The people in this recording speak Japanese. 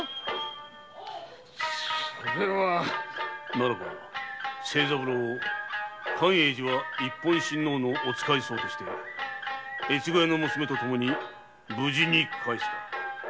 ならば清三郎を一品親王のお使い僧として越後屋の娘とともに無事に帰すか？